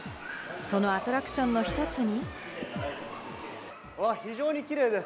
そのアトラクションの１つに。